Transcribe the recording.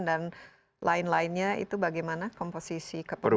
dan lain lainnya itu bagaimana komposisi kepemilikan